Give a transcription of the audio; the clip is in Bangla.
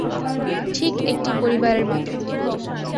ঠিক একটি পরিবারের মতো।